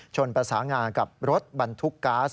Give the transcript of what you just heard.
ประสานงากับรถบรรทุกก๊าซ